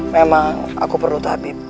memang aku perlu tabib